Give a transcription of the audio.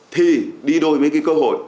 thì đi đôi mấy cái cơ hội